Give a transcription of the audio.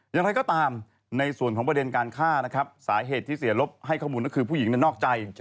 อย่างไรก็ตามในส่วนของประเด็นการฆ่านะครับสาเหตุที่เสียลบให้ข้อมูลก็คือผู้หญิงนอกใจ